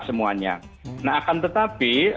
semuanya nah akan tetapi